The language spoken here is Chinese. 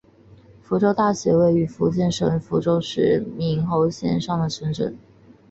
福州大学城位于福建省福州市闽侯县上街镇。